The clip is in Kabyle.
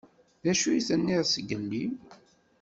D acu i d-tenniḍ zgelli?